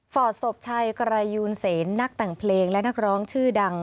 ฝอดสบชัยกระยูนเสร็จนักต่างเพลงและนักร้องชื่อดัง